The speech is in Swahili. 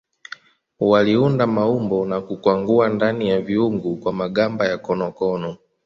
Waliunda maumbo na kukwangua ndani ya viungu kwa magamba ya konokono.